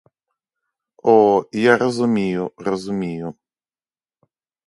О, я розумію, розумію.